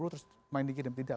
terus main dikirim tidak